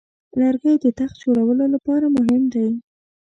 لرګی د تخت جوړولو لپاره مهم دی.